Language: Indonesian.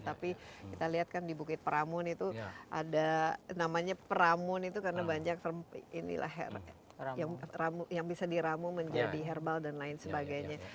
tapi kita lihat kan di bukit peramun itu ada namanya peramun itu karena banyak yang bisa diramu menjadi herbal dan lain sebagainya